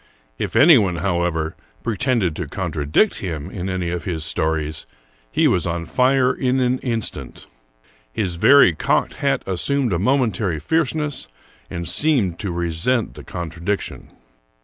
If anyone, however, pretended to contradict him in any of his stories, he was on fire in an instant. His very cocked hat assumed a momentary fierceness, and seemed to resent the contradiction.